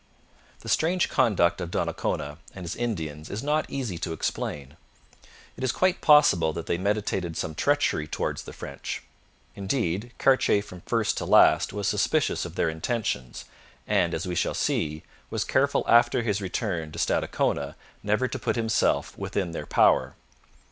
The strange conduct of Donnacona and his Indians is not easy to explain. It is quite possible that they meditated some treachery towards the French: indeed, Cartier from first to last was suspicious of their intentions, and, as we shall see, was careful after his return to Stadacona never to put himself within their power.